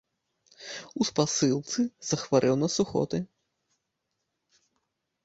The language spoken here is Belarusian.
У спасылцы захварэў на сухоты.